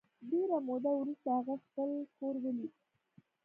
ډېره موده وروسته هغه خپل کور ولید